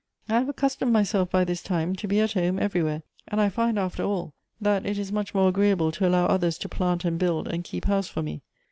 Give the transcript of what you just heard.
" I have accustomed myself by this time to be at home everywhere, and I find, after all, that it is much more agreeable to allow others to plant, and build, and keep house for me.